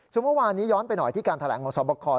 ส่วนเมื่อวานนี้ย้อนไปหน่อยที่การแถลงของสอบคอ